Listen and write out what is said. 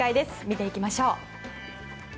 見ていきましょう。